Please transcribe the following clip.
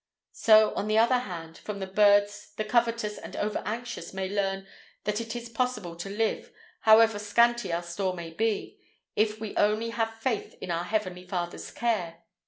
So, on the other hand, from the birds the covetous and over anxious may learn that it is possible to live, however scanty our store may be, if we only have faith in our heavenly Father's care.